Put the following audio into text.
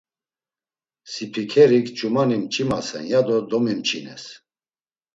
Sipikerik ç̌umani mç̌imasen ya do domimçines.